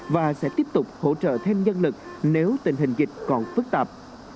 và sẽ tiếp tục hỗ trợ thêm nhân lực nếu tình hình dịch còn phức tạp